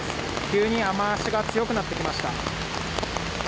急に雨足が強くなってきました。